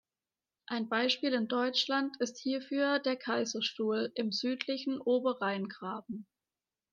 Ein Beispiel in Deutschland ist hierfür der Kaiserstuhl im südlichen Oberrheingraben.